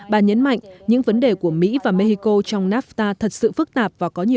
bà nhấn mạnh những vấn đề của mỹ và mexico trong nafta thật sự phức tạp và có nhiều